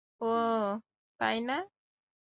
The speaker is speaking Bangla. ওহ তাই না?